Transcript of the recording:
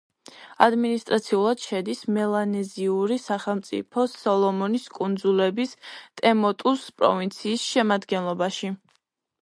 ადმინისტრაციულად შედის მელანეზიური სახელმწიფო სოლომონის კუნძულების ტემოტუს პროვინციის შემადგენლობაში.